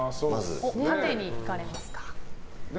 縦にいかれますか。